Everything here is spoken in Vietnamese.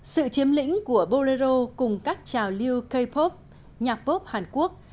sự chiếm lĩnh của bolero cùng các trào lưu k pop nhạc pop hàn quốc